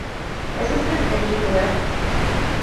އެސިސްޓެންޓް އެންޖިނިއަރ